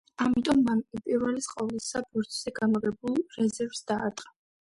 ამიტომ მან უპირველეს ყოვლისა ბორცვზე გამაგრებულ რეზერვს დაარტყა.